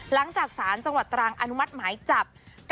หลังจากสารจังหวัดตรังอนุมัติหมายจับ